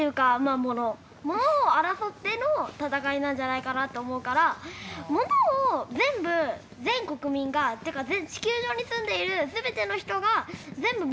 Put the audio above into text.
ものを争っての戦いなんじゃないかなって思うからものを全部全国民がっていうか地球上に住んでいる全ての人が全部平等に使えるようになったら。